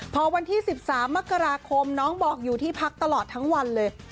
พอวันที่๑๓มกราคมน้องบอกอยู่ที่พักตลอดทั้งวันเลย